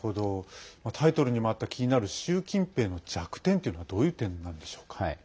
タイトルにもあった、気になる「習近平の弱点」というのはどういう点なんでしょうか。